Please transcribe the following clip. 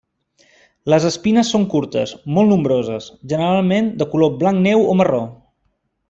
Les espines són curtes, molt nombroses, generalment de color blanc neu o marró.